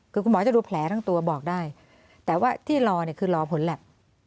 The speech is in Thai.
คุณหมอจะดูแผลทั้งตัวบอกได้แต่ว่าที่รอคือรอผลแหละ